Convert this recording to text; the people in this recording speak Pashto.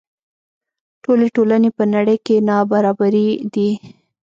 ټولې ټولنې په نړۍ کې نابرابرې دي.